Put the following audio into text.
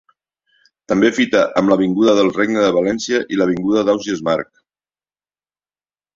També fita amb l'avinguda del Regne de València i l'avinguda d'Ausiàs March.